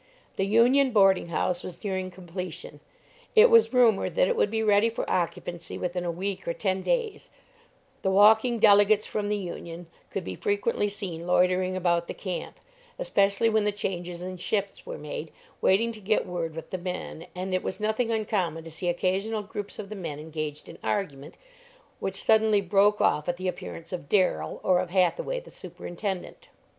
The union boarding house was nearing completion; it was rumored that it would be ready for occupancy within a week or ten days; the walking delegates from the union could be frequently seen loitering about the camp, especially when the changes in shifts were made, waiting to get word with the men, and it was nothing uncommon to see occasional groups of the men engaged in argument, which suddenly broke off at the appearance of Darrell, or of Hathaway, the superintendent.